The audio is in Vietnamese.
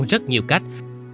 rất nhiều cách